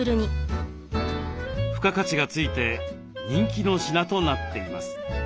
付加価値が付いて人気の品となっています。